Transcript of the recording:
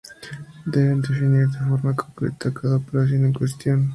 Deben definir de forma concreta cada operación en cuestión.